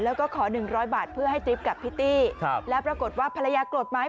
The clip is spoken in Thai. แล้วก็ขอ๑๐๐บาทเพื่อให้จิ๊บกับพิตตี้แล้วปรากฏว่าภรรยาโกรธไหม